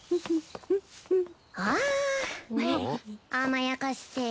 甘やかして。